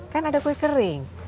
kan ada kue kering